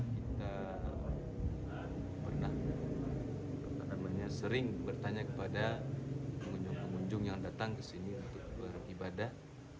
karena kita pernah sering bertanya kepada pengunjung pengunjung yang datang ke sini untuk beribadah